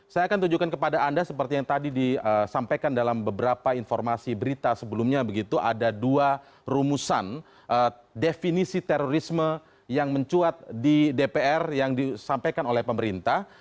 saya akan tunjukkan kepada anda seperti yang tadi disampaikan dalam beberapa informasi berita sebelumnya begitu ada dua rumusan definisi terorisme yang mencuat di dpr yang disampaikan oleh pemerintah